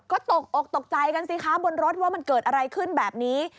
ก็ตกอกตกใจกันสิคะบนรถว่ามันเกิดอะไรขึ้นแบบนี้